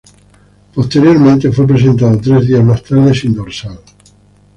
Posteriormente fue presentado tres días más tarde sin dorsal.